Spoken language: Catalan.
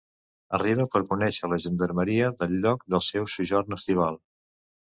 Arriba per conèixer la gendarmeria del lloc del seu sojorn estival.